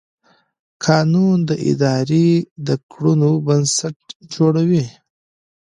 قانون د ادارې د کړنو بنسټ جوړوي.